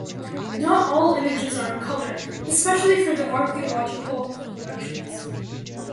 Not all images are in colour, especially for the archaeological collections.